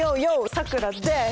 さくらです。